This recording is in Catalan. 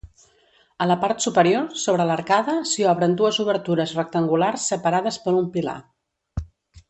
A la part superior, sobre l'arcada, s'hi obren dues obertures rectangulars separades per un pilar.